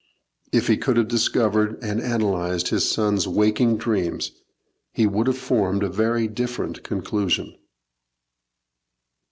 If he could have discovered and analysed his son's waking dreams, he would have formed a very different conclusion.